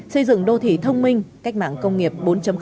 xây dựng đô thị thông minh cách mạng công nghiệp bốn